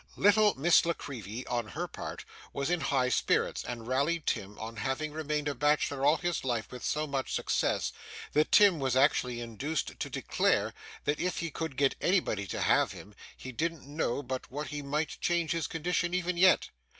Little Miss La Creevy, on her part, was in high spirits, and rallied Tim on having remained a bachelor all his life with so much success, that Tim was actually induced to declare, that if he could get anybody to have him, he didn't know but what he might change his condition even yet.